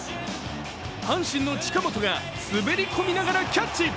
阪神の近本が滑り込みながらキャッチ。